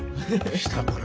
下から。